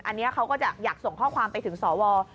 อันนี้เขาก็จะอยากส่งข้อความไปถึงสว